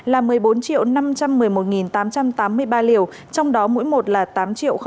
là một mươi bốn năm trăm một mươi một tám trăm tám mươi ba liều trong đó mỗi một là tám chín mươi bảy liều